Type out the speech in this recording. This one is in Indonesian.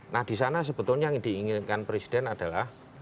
nah disana sebetulnya yang diinginkan presiden adalah